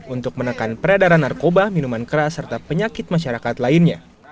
untuk menekan peredaran narkoba minuman keras serta penyakit masyarakat lainnya